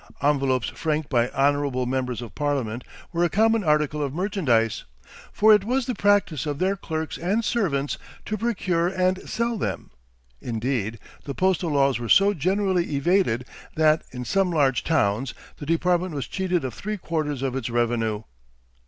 Envelopes franked by honorable members of Parliament were a common article of merchandise, for it was the practice of their clerks and servants to procure and sell them. Indeed, the postal laws were so generally evaded that, in some large towns, the department was cheated of three quarters of its revenue.